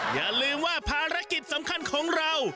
อย่าลืมว่าภารกิจสำคัญของเรา